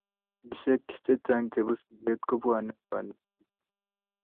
Katisiek chehcang chebo siket kobwane konetik